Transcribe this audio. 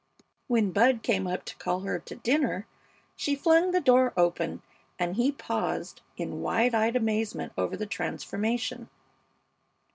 When Bud came up to call her to dinner she flung the door open, and he paused in wide eyed amazement over the transformation.